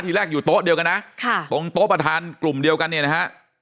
แรกอยู่โต๊ะเดียวกันนะค่ะตรงโต๊ะประธานกลุ่มเดียวกันเนี่ยนะฮะ